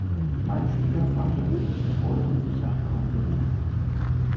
Mein Schwiegervater kann sich heute sicher kaum bewegen.